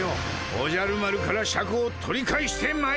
おじゃる丸からシャクを取り返してまいるのじゃ。